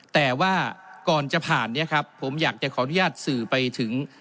แต่ว่าก่อนจะผ่านเนี่ยครับผมอยากจะขออนุญาตสื่อไปถึง